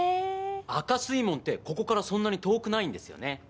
赤水門ってここからそんなに遠くないんですよね。